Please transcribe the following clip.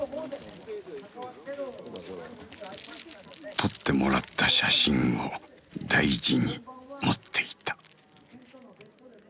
撮ってもらった写真を大事に持っていた。